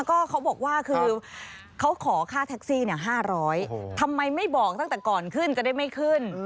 ก็เขาบอกว่าคือเขาขอค่าแท็กซี่๕๐๐ทำไมไม่บอกตั้งแต่ก่อนขึ้นจะได้ไม่ขึ้น